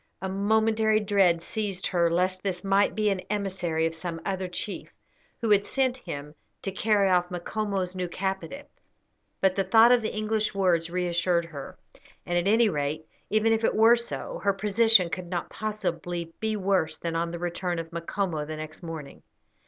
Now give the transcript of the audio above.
A momentary dread seized her lest this might be an emissary of some other chief, who had sent him to carry off Macomo's new captive, but the thought of the English words reassured her; and, at any rate, even if it were so, her position could not possibly be worse than on the return of Macomo the next morning.